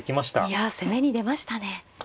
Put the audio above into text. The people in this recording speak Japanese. いや攻めに出ましたね。